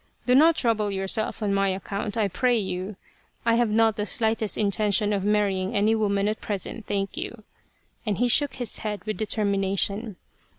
" Do not trouble yourself on my account, I pray you ! I have not the slightest intention of marrying any woman at present, thank you," and he shook his head with determination.